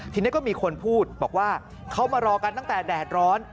ทีนี้ก็มีคนพูดบอกว่าเขามารอกันตั้งแต่แดดร้อน